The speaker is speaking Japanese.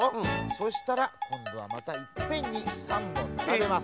そしたらこんどはまたいっぺんに３ぼんならべます。